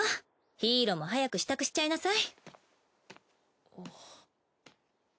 ヒイロも早く支度しちゃいなさい。